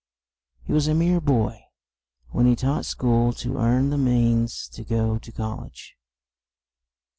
He was a mere boy, when he taught school to earn the means to go to Col lege.